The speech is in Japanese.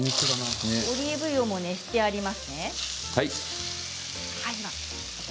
オリーブ油熱してありますね。